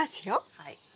はい。